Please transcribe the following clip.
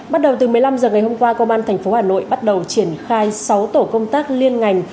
bắt đầu từ một mươi năm h ngày hôm qua công an tp hà nội bắt đầu triển khai sáu tổ công tác liên ngành